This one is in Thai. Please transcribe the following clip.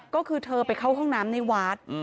ก็คือเธอไปเข้าห้องน้ำในวัด